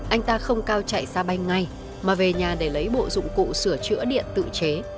anh ta không cao chạy ra bay ngay mà về nhà để lấy bộ dụng cụ sửa chữa điện tự chế